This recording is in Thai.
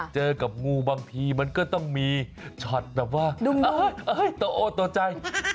เจอกับงูบางทีมันก็ต้องมีช็อตแบบว่าโตโอโตใจ